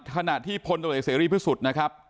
ขณะที่พลตรวจเอกเสรีพิสุทธิ์นะครับ